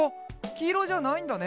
きいろじゃないんだね。